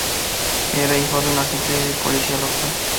Era hijo de un agente de policía local.